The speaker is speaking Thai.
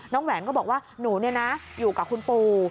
แหวนก็บอกว่าหนูอยู่กับคุณปู่